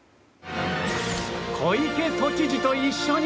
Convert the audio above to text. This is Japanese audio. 小池都知事と一緒に。